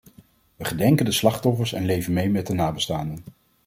We gedenken de slachtoffers en leven mee met de nabestaanden.